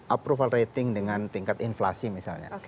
approval rating dengan tingkat inflasi misalnya